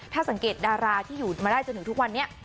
ถ้าสังเกตดาราที่อยู่มาได้จนถึงทุกวันนี้